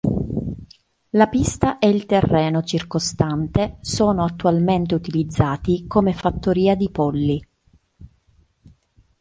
La pista e il terreno circostante sono attualmente utilizzati come fattoria di polli.